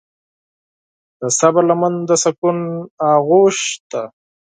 د صبر لمن د سکون آغوش ده.